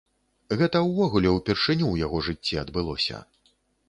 Гэта ўвогуле ўпершыню ў яго жыцці адбылося.